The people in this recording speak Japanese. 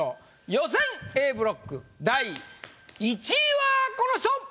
予選Ａブロック第１位はこの人！